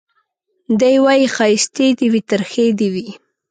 دی وايي ښايستې دي وي ترخې دي وي